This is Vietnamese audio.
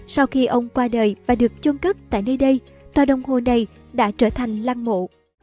sau khi ông qua đời và được chôn cất tại nơi đây tòa đồng hồ này đã trở thành lăng mộ